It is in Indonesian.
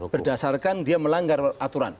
berdasarkan dia melanggar aturan